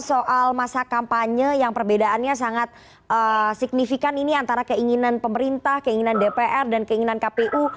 soal masa kampanye yang perbedaannya sangat signifikan ini antara keinginan pemerintah keinginan dpr dan keinginan kpu